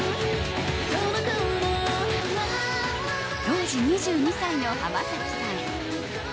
当時２２歳の浜崎さん。